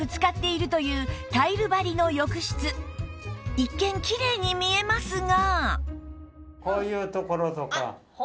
一見きれいに見えますが